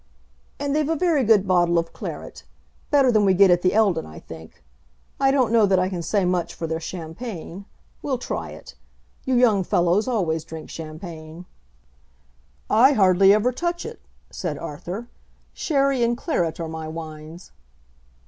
"And they've a very good bottle of claret; better than we get at the Eldon, I think. I don't know that I can say much for their champagne. We'll try it. You young fellows always drink champagne." "I hardly ever touch it," said Arthur. "Sherry and claret are my wines."